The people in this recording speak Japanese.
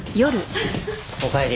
おかえり。